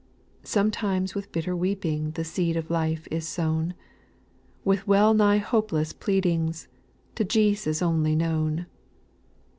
3. Sometimes with bitter weeping The seed of life is sown. With well nigh hopeless pleadings, To Jesus only known.